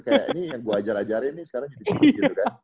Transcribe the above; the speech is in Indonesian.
kayak ini yang gua ajar ajarin nih sekarang tinggi tinggi gitu kan